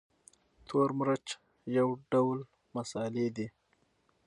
تور مرچ یو ډول مسالې دي